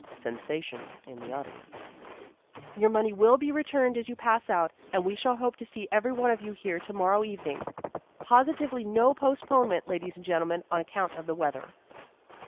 (Sensation in the audience.) "Your money will be returned as you pass out, and we shall hope to see every one of you here to morrow evening. Positively no postponement, Ladies and Gentlemen, on account of the weather."